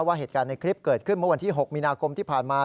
เมื่อวันที่๖มีนาคมที่ผ่านมา